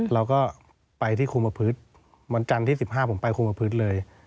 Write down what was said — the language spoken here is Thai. เราก็ไปที่คุมประพฤติวันจันทร์ที่๑๕ผมไปคุมประพฤติเลย